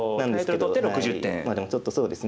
でもちょっとそうですね